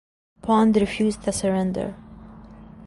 Pond refused the surrender.